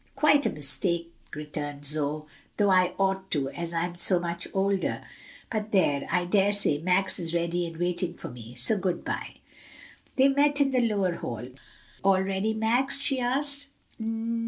"Quite a mistake," returned Zoe, "though I ought to, as I'm so much older. But there, I dare say Max is ready and waiting for me, so good by." They met in the lower hall. "All ready, Max?" she asked.